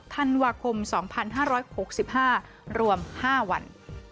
ทันวาคมสองพันห้าร้อยหกสิบห้ารวมห้าวัน